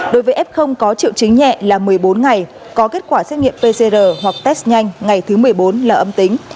đối với f có triệu chứng nhẹ là một mươi bốn ngày có kết quả xét nghiệm pcr hoặc test nhanh ngày thứ một mươi bốn là âm tính